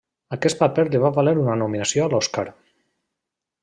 Aquest paper li va valer una nominació a l'Oscar.